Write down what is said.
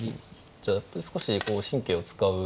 じゃあやっぱり少しこう神経を使う序盤。